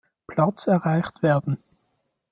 Platz erreicht werden.